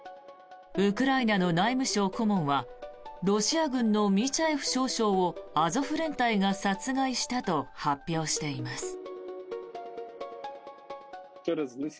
ウクライナの内務省顧問はロシア軍のミチャエフ少将をアゾフ連隊が殺害したと発表しています。